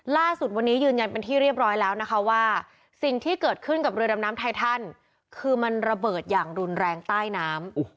ล่าสุดวันนี้ยืนยันเป็นที่เรียบร้อยแล้วนะคะว่าสิ่งที่เกิดขึ้นกับเรือดำน้ำไททันคือมันระเบิดอย่างรุนแรงใต้น้ำ